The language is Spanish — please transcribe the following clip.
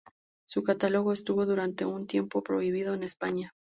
Su catálogo estuvo, durante un tiempo, prohibido en España.